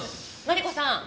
マリコさん